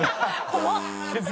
怖っ。